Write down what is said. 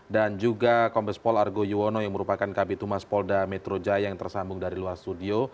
dan juga kompes pol argo yuwono yang merupakan kapitumas polda metro jaya yang tersambung dari luar studio